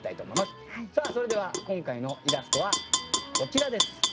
さあそれでは今回のイラストはこちらです。